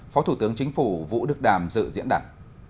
phó thủ tướng chính phủ vũ đức đàm dự diễn đàn